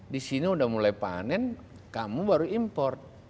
disini sudah mulai panen kamu baru impor